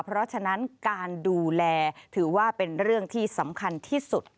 เพราะฉะนั้นการดูแลถือว่าเป็นเรื่องที่สำคัญที่สุด